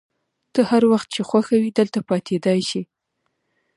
ته هر وخت چي خوښه وي دلته پاتېدای شې.